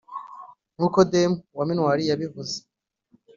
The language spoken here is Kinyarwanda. nkuko deme (wa minuar) yabivuze